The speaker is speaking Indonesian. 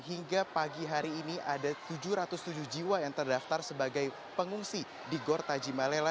hingga pagi hari ini ada tujuh ratus tujuh jiwa yang terdaftar sebagai pengungsi di gortajimalela